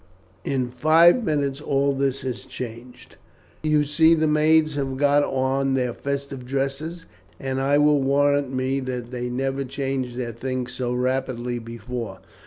In five minutes all this has changed. You see the maids have got on their festive dresses, and I will warrant me they never changed their things so rapidly before.